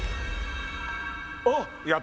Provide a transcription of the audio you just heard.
あっ！